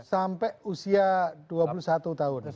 sampai usia dua puluh satu tahun